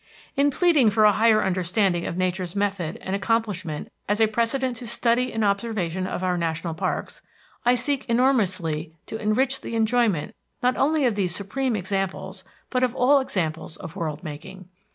In pleading for a higher understanding of Nature's method and accomplishment as a precedent to study and observation of our national parks, I seek enormously to enrich the enjoyment not only of these supreme examples but of all examples of world making.